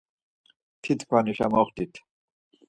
Titkvanişa moxtit!